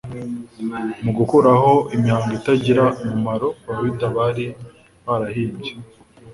Mu gukuraho imihango itagira umumaro abayuda bari barahimbye,